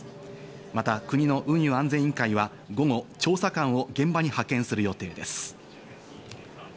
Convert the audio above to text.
また国の運輸安全委員会は午後、調査官を現場に派遣する予定です。